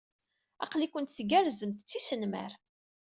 Aql-ikent tgerrzemt! Tisnemmar!